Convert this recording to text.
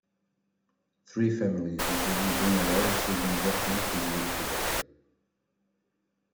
Three families, including Bruno Lawrence's and Geoff Murphy's, lived together.